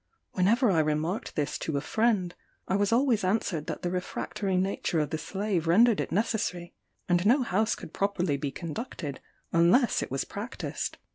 Whenever I remarked this to a friend, I was always answered that the refractory nature of the slave rendered it necessary, and no house could properly be conducted unless it was practised.